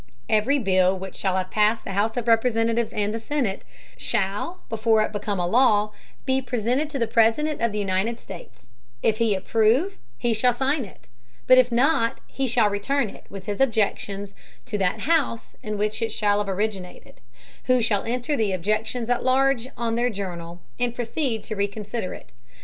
Every Bill which shall have passed the House of Representatives and the Senate, shall, before it become a Law, be presented to the President of the United States; If he approve he shall sign it, but if not he shall return it, with his Objections, to that House in which it shall have originated, who shall enter the Objections at large on their Journal, and proceed to reconsider it.